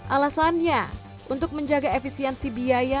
alasannya untuk menjaga efisiensi biaya